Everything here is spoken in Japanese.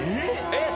えっ